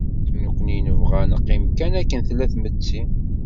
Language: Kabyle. Nekni nebɣa ad neqqim kan akken tella tmetti.